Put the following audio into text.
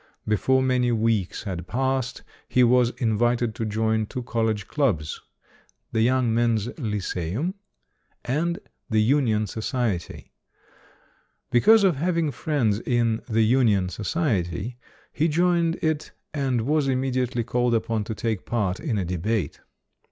Before many weeks had passed, he was in vited to join two college clubs "The Young Men's Lyceum" and "The Union Society". Be cause of having friends in "the Union Society", he joined it, and was immediately called upon to take part in a debate.